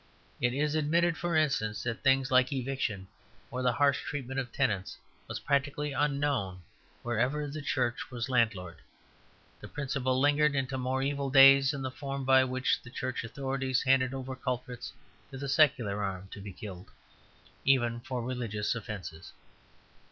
It is admitted, for instance, that things like eviction, or the harsh treatment of tenants, was practically unknown wherever the Church was landlord. The principle lingered into more evil days in the form by which the Church authorities handed over culprits to the secular arm to be killed, even for religious offences.